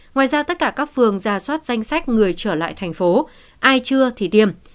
ngoài ra tất cả các phương ra soát danh sách người trở lại tp hcm ai chưa thì tiêm